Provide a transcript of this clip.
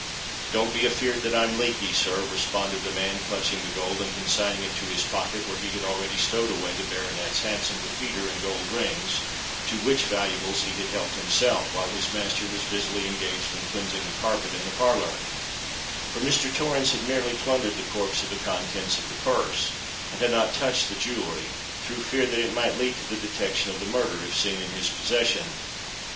"Don't be afeard that I'm leaky, sir," responded the man, clutching the gold, and consigning it to his pocket, where he had already stowed away the baronet's handsome repeater and gold rings—to which valuables he had helped himself, while his master was busily engaged in cleansing the carpet in the parlour;—for Mr. Torrens had merely plundered the corpse of the contents of the purse, and had not touched the jewellery, through fear that it might lead to the detection of the murder, if seen in his possession.